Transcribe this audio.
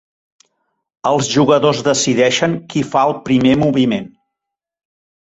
Els jugadors decideixen qui fa el primer moviment.